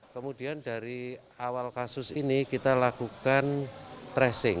kemudian dari awal kasus ini kita lakukan tracing